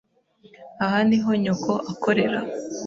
Aha niho nyoko akorera?